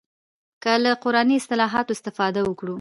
که له قراني اصطلاحاتو استفاده وکړو.